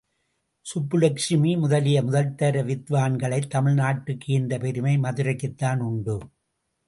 சுப்புலக்ஷ்மி முதலிய முதல்தர வித்வான்களைத் தமிழ் நாட்டுக்கு ஈந்த பெருமை மதுரைக்குத் தான் உண்டு.